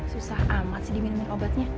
susah amat sih diminum obatnya